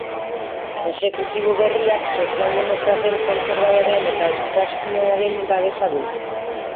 Exekutibo berriak sozialdemokraten, kontserbadoreen eta ultraeskuinaren babesa du.